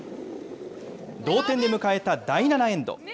同点で迎えた第７エンド。